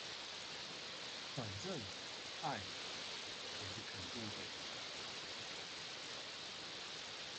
反正，愛，我是肯定給不了的